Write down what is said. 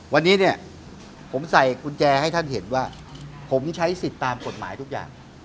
วันนี้เนี่ยผมใส่กุญแจให้ท่านเห็นว่าผมใช้สิทธิ์ตามกฎหมายทุกอย่าง